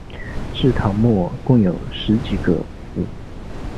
至唐末共有十几个府。